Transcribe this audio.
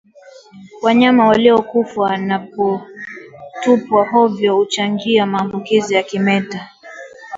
Wanyama waliokufa wanapotupwa hovyo huchangia maambukizi ya kimeta